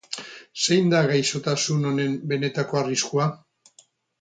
Zein da gaixotasun honen benetako arriskua?